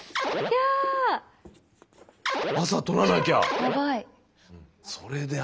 やばい。